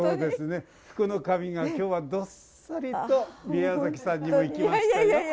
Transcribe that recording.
福の神が今日はどっさりと宮崎さんにも行きましたよ。